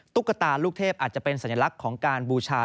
ตุ๊กตาลูกเทพอาจจะเป็นสัญลักษณ์ของการบูชา